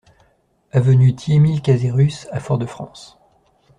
Avenue Ti-Émile Casérus à Fort-de-France